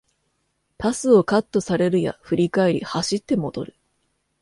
パスをカットされるや振り返り走って戻る